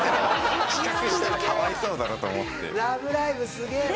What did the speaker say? すげえな。